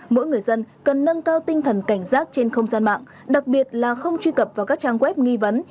mỗi người dân cần nâng cao tinh thần cảnh giác trên không gian mạng đặc biệt là không truy cập vào các trang web nghi vấn